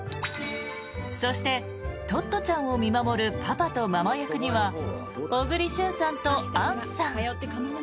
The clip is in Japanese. そして、トットちゃんを見守るパパとママ役には小栗旬さんと杏さん